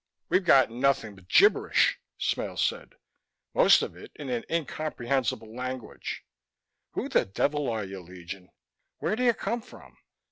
"We've gotten nothing but gibberish," Smale said, "most of it in an incomprehensible language. Who the devil are you, Legion? Where do you come from?"